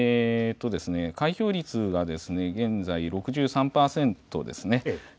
開票率は現在６３％です。